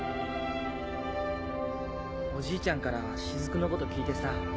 おじいちゃんから雫のこと聞いてさ。